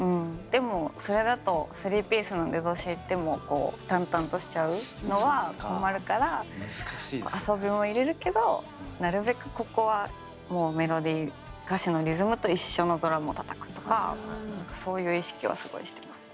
でもそれだと３ピースの出だしでも淡々としちゃうのは困るから遊びも入れるけどなるべくここはメロディー歌詞のリズムと一緒のドラムをたたくとかそういう意識はすごいしてます。